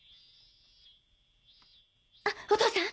あっお父さん！